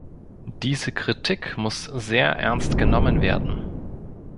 Diese Kritik muss sehr ernst genommen werden.